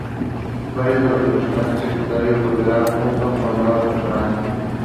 Varios de los personajes secundarios volverán junto con nuevos personajes.